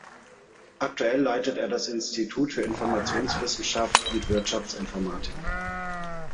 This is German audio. Aktuell leitet er das Institut für Informationswissenschaft und Wirtschaftsinformatik.